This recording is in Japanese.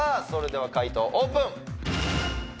それでは解答オープン